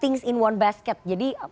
jadi mungkin ketika sering terjadi itu